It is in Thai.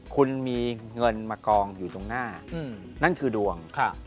คุณมีเงินมากองอยู่ตรงหน้านั่นคือดวง